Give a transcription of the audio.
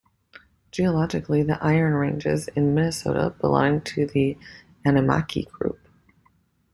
Geologically, the iron ranges in Minnesota belong to the Animikie Group.